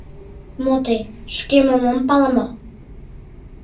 Мо тый, шкемым ом пале мо?